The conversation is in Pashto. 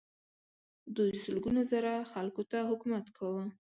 دوی سلګونه زره خلکو ته حکومت کاوه.